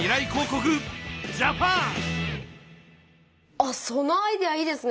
あっそのアイデアいいですね！